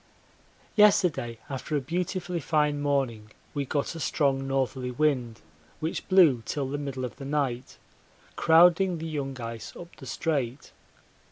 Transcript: Yesterday after a beautifully fine morning we got a strong northerly wind which blew till the middle of the night, crowding the young ice up the Strait.